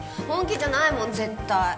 本気じゃないもん絶対。